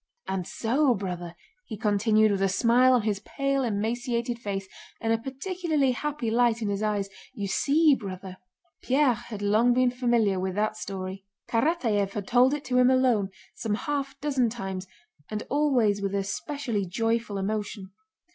"And so, brother," he continued, with a smile on his pale emaciated face and a particularly happy light in his eyes, "you see, brother..." Pierre had long been familiar with that story. Karatáev had told it to him alone some half dozen times and always with a specially joyful emotion.